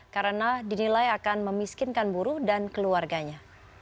karena dinilai akan memiskinkan buruh dan keluarganya